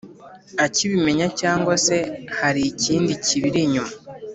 akibimenya cyangwa se hari ikindi kibiri inyuma"